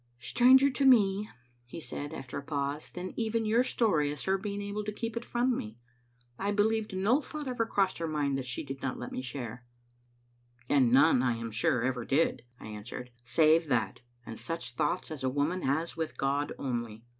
"Stranger to me, " he said, after a pause, " than even your story is her being able to keep it from me. I be lieved no thought ever crossed her mind that she did not let me share. " "And none, I am scire, ever did," I answered, "save that, and such thoughts as a woman has with God only.